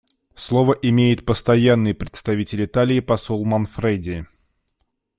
Слово имеет Постоянный представитель Италии посол Манфреди.